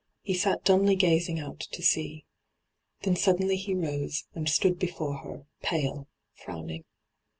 He sat dumbly gazing out to sea. Then suddenly he rose, and stood before her, pale, frowning.